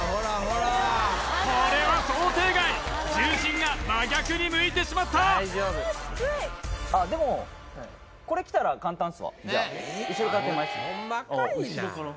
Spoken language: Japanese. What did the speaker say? これは想定外重心が真逆に向いてしまったあでもこれきたら簡単っすわ後ろから？